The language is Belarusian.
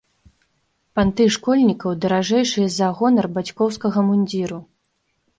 Панты школьнікаў даражэйшыя за гонар бацькоўскага мундзіру.